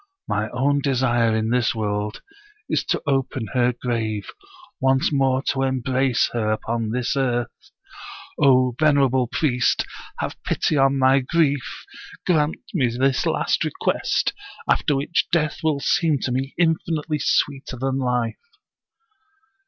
My own desire in this world is to open her grave, once more to embrace her upon this earth. O venerable priest, have pity on my grief! Grant me this last request, after which death will seem to me infinitely sweeter than life.'